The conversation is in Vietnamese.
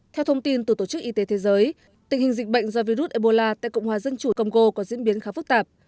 theo thông tin từ tổ chức y tế thế giới tình hình dịch bệnh do virus ebola tại cộng hòa dân chủ congo có diễn biến khá phức tạp